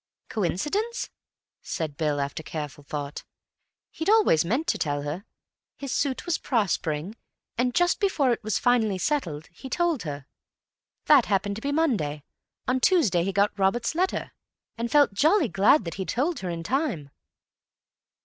"Coincidence," said Bill, after careful thought. "He'd always meant to tell her; his suit was prospering, and just before it was finally settled, he told her. That happened to be Monday. On Tuesday he got Robert's letter, and felt jolly glad that he'd told her in time."